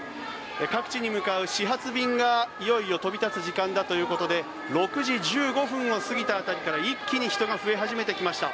各地に向かう始発便がいよいよ飛び立つ時間だということで６時１５分を過ぎた辺りから一気に人が増え始めてきました。